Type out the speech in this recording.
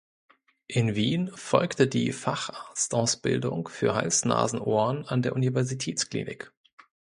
In Wien folgte die Facharztausbildung für Hals-Nasen-Ohren an der Universitätsklinik.